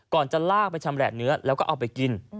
จะลากไปชำแหละเนื้อแล้วก็เอาไปกิน